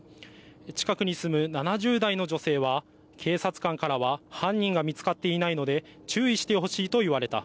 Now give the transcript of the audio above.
近くに住む７０代の女性は警察官からは犯人が見つかっていないので注意してほしいと言われた。